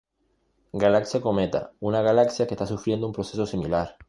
Galaxia Cometa, una galaxia que está sufriendo un proceso similar.